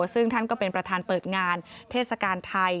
ซึ่งท่านก็เป็นประธานเปิดงานเทศกาลไทย